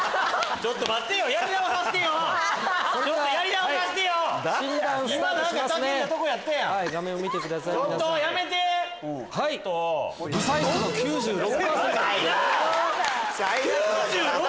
⁉ちょっと待って９６⁉